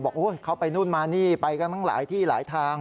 เข้าไปนู่นมานี่ไปกันทั้งหลายที่หลายทาง